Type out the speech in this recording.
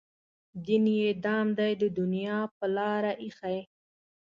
دین یې دام دی د دنیا په لاره ایښی.